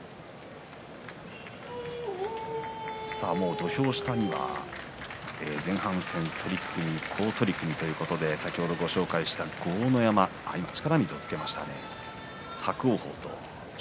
土俵下、前半戦好取組ということでご紹介した豪ノ山が力水をつけました。